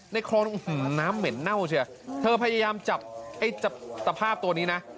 ในคลองอื้อหือน้ำเหม็นเน่าเชื่อเธอพยายามจับไอ้จับตภาพตัวนี้น่ะ